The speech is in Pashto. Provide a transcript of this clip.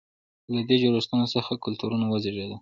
له دې جوړښتونو څخه کلتورونه وزېږېدل.